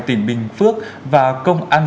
tỉnh bình phước và công an